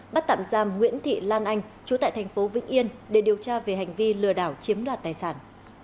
bắt tạm giam nguyễn thị lan anh chú tại thành phố vĩnh yên để điều tra về hành vi lừa đảo chiếm đoạt tài sản